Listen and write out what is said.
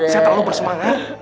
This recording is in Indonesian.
saya terlalu bersemangat